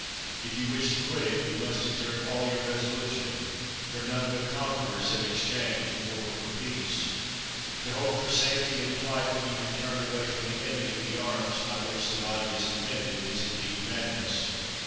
If you wish to quit it, you must exert all your resolution, for none but conquerors have exchanged war for peace. To hope for safety in flight, when you have turned away from the enemy the arms by which the body is defended, is indeed madness.